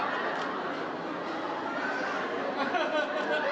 สวัสดีครับ